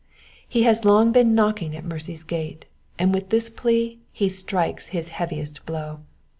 He has long been knocking at mercy's gate, and with this plea he strikes his heaviest blow.